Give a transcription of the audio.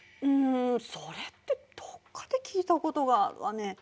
うんそれってどっかで聞いたことがあるわね。